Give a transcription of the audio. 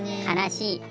悲しい